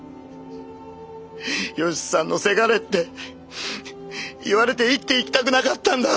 与七さんの倅って言われて生きていきたくなかったんだ！